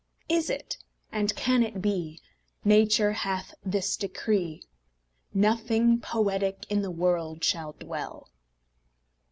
Is it, and can it be, Nature hath this decree, Nothing poetic in the world shall dwell?